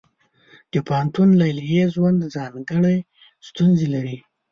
د پوهنتون لیلیې ژوند ځانګړې ستونزې لري.